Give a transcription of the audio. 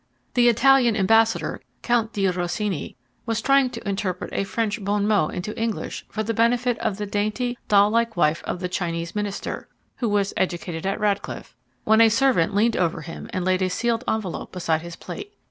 The Italian ambassador, Count di Rosini, was trying to interpret a French bon mot into English for the benefit of the dainty, doll like wife of the Chinese minister who was educated at Radcliffe when a servant leaned over him and laid a sealed envelope beside his plate.